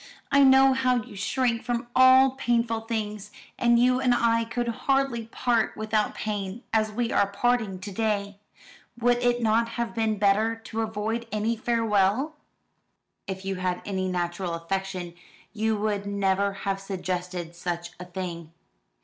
I know how you shrink from all painful things; and you and I could hardly part without pain, as we are parting to day. Would it not have been better to avoid any farewell?" "If you had any natural affection, you would never have suggested such a thing."